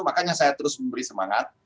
makanya saya terus memberi semangat